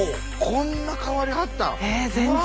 こんな変わりはったん？